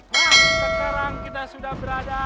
nah sekarang kita sudah berada di depan hotel santosa